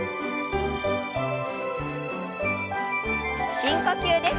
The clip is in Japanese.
深呼吸です。